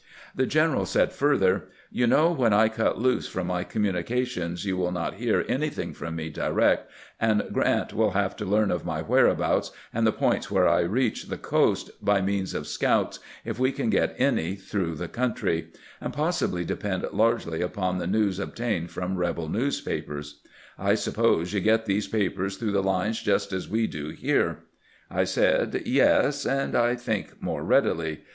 The general said further :" You know when I cut loose from my communications you will not hear anything from me direct, and Grant will have to learn of my whereabouts, and the points where I reach the coast, by means of scouts, if we can get any through the coimtry, and possibly depend largely upon the news ob tained from rebel newspapers. I suppose you get these papers through the lines just as we do here." I said :" Yes ; and I think more readily.